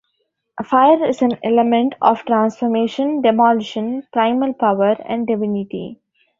Fire is an element of transformation, demolition, primal power, and divinity.